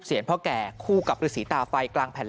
หลังจากพบศพผู้หญิงปริศนาตายตรงนี้ครับ